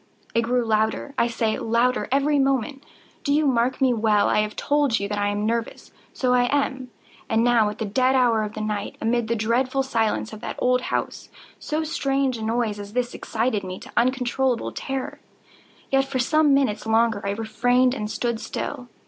It grew louder, I say, louder every moment!—do you mark me well? I have told you that I am nervous: so I am. And now at the dead hour of the night, amid the dreadful silence of that old house, so strange a noise as this excited me to uncontrollable terror. Yet, for some minutes longer I refrained and stood still.